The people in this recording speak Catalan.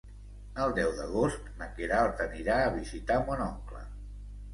El deu d'agost na Queralt anirà a visitar mon oncle.